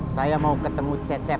saya mau ketemu cecep